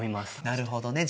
なるほどね。